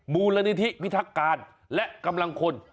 มูลนิธิพิทักการและกำลังคน